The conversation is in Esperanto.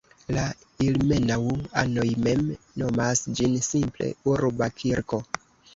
La ilmenau-anoj mem nomas ĝin simple "Urba kirko".